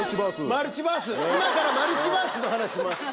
マルチバース、今からマルチバースの話します。